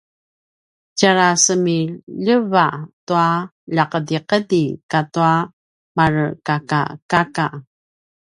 tjarasemiljeva tua lja’edi’edi katua marekakaka